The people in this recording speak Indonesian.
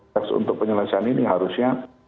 tes untuk penyelesaian ini harusnya